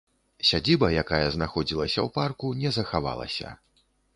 Сядзіба, якая знаходзілася ў парку, не захавалася.